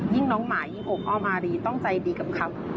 น้องหมายิ่งโอบอ้อมอารีต้องใจดีกับเขา